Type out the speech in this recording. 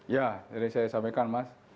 ya tadi saya sampaikan mas